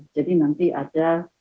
jadi nanti ada